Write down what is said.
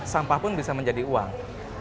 sampah pun bisa menjadi uang